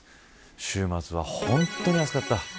週末は本当に暑かった。